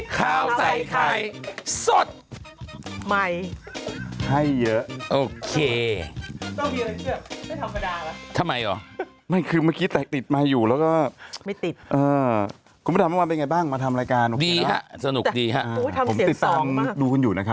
เฮ้ยน่ารักสิเฮ้ยตุ๊กชายคาวินคาวินคลาย